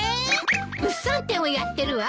物産展をやってるわ。